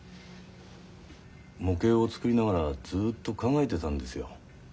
模型を作りながらずっと考えてたんですよ。